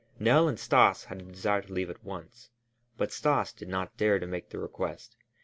Nell and Stas had a desire to leave at once, but Stas did not dare to make the request.